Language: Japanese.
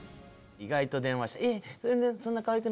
意外と電話したら。